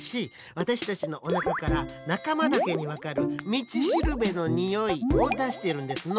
わたしたちのおなかからなかまだけにわかる「みちしるべのにおい」をだしているんですの。